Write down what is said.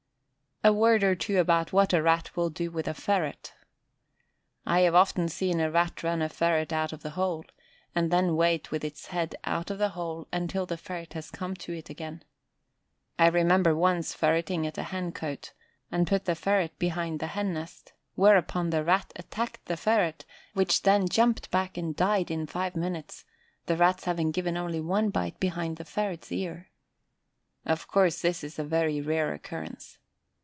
A word or two about what a Rat will do with a ferret. I have often seen a Rat run a ferret out of the hole, and then wait with its head out of the hole until the ferret has come to it again. I remember once ferreting at a hencote, and put the ferret behind the hen nest, whereupon the Rat attacked the ferret, which then jumped back and died in five minutes, the Rats having given only one bite behind the ferret's ear! Of course this is a very rare occurrence.